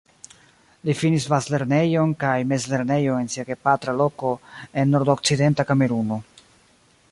Li finis bazlernejon kaj mezlernejon en sia gepatra loko en Nordokcidenta Kameruno.